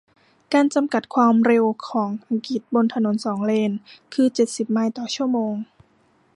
การ จำกัด ความเร็วของอังกฤษบนถนนสองเลนคือเจ็ดสิบไมล์ต่อชั่วโมง